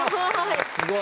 すごい。